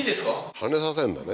跳ねさせんだね